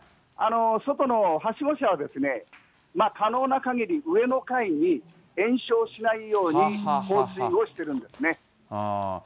外のはしご車は、可能なかぎり上の階に延焼しないように放水をしてるんですね。